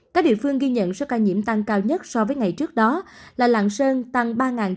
các địa phương ghi nhận số ca nhiễm tăng cao nhất so với ngày trước đó là lạng sơn tăng ba chín trăm sáu mươi